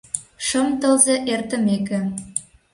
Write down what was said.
Шым тылзе эртымеке.